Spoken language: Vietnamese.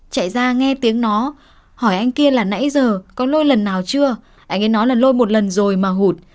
chạy ra nghe tiếng nói hỏi anh kia là nãy giờ có lôi lần nào chưa anh ấy nói là lôi một lần rồi mà hụt